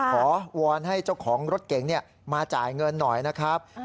วอนให้เจ้าของรถเก๋งมาจ่ายเงินหน่อยนะครับ